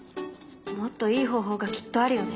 もっといい方法がきっとあるよね。